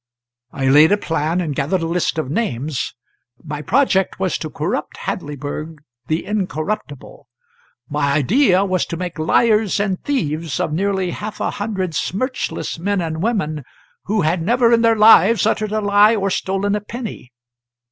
I laid a plan, and gathered a list of names. My project was to corrupt Hadleyburg the Incorruptible. My idea was to make liars and thieves of nearly half a hundred smirchless men and women who had never in their lives uttered a lie or stolen a penny.